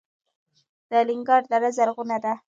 د الینګار دره زرغونه ده